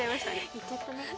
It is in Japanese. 行っちゃったね。